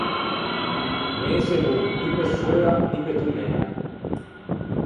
No ëse bon ni pe seua, ni pe tomæa.